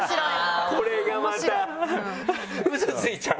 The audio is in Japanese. これがまたうそついちゃう？